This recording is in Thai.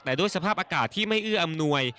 แต่ด้วยสภาพอากาศที่ไม่เอื้ออำนวย